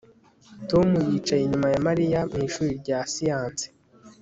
Tom yicaye inyuma ya Mariya mu ishuri rya siyanse